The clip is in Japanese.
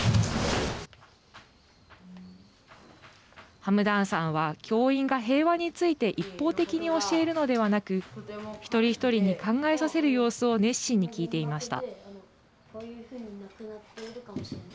ハムダーンさんは教員が平和について一方的に教えるのではなく一人一人に考えさせる様子を熱心に聞いていました。